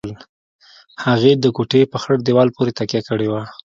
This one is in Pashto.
هغې د کوټې په خړ دېوال پورې تکيه کړې وه.